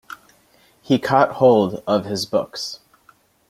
He caught hold of his books.